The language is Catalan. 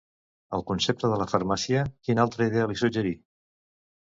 El concepte de la farmàcia quina altra idea li suggerí?